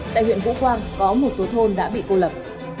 tại huyện vũ quang có một số thôn đã bị cô lập